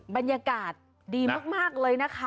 บรรยากาศดีมากเลยนะคะ